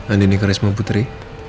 andini karisma putri